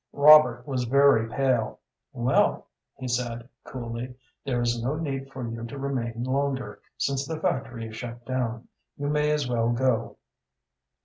Robert was very pale. "Well," he said, coolly, "there is no need for you to remain longer, since the factory is shut down. You may as well go."